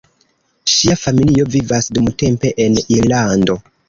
Ŝia familio vivas dumtempe en Irlando.